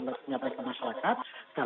menyampaikan ke masyarakat